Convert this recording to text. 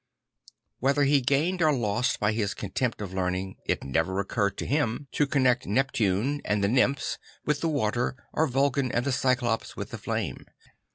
Whether he gained or lost by his contempt of learning, it never occurred to him 10 4 St. Francis of Assisi to connect Neptune and the nymphs with the water or Vulcan and the Cyclops with the flame.